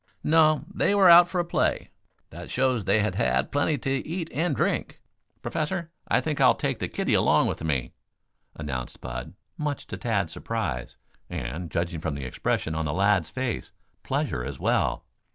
"No; they were out for a play. That shows they had had plenty to eat and drink. Professor, I think I'll take the kiddie along with me," announced Bud, much to Tad's surprise, and, judging from the expression of the lad's face, pleasure, as well.